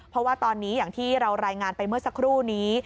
เพราะว่าตอนนี้อย่างที่เรารายงานไปเมื่อสักครู่นี้